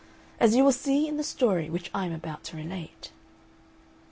As you will see in the story which I am about to relate.